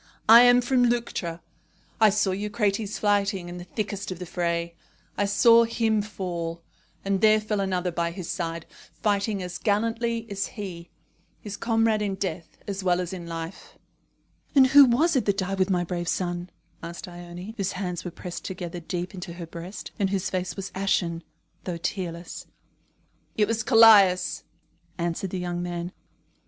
"I am from Leuctra. I saw Eucrates fighting in the thickest of the fray. I saw him fall; and there fell another by his side, fighting as gallantly as he his comrade in death as well as in life." "And who was it that died with my brave son?" asked Ione, whose hands were pressed together deep into her breast, and whose face was ashen, though tearless. "It was Callias," answered the young man.